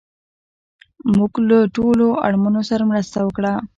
موږ له ټولو اړمنو سره مرسته وکړه